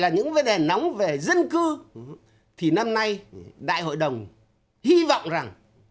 năm nay đại hội đồng hy vọng rằng